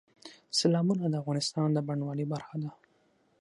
سیلابونه د افغانستان د بڼوالۍ برخه ده.